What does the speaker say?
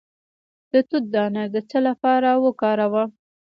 د توت دانه د څه لپاره وکاروم؟